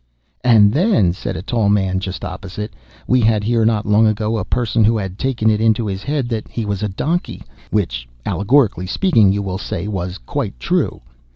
"And then," said a tall man just opposite, "we had here, not long ago, a person who had taken it into his head that he was a donkey—which allegorically speaking, you will say, was quite true.